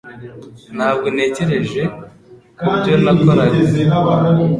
Ntabwo natekereje kubyo nakoraga